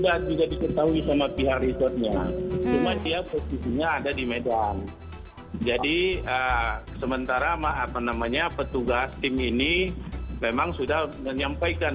ada di medan jadi sementara maaf namanya petugas tim ini memang sudah menyampaikan